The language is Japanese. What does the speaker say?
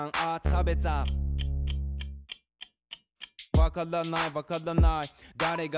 わからないわからない。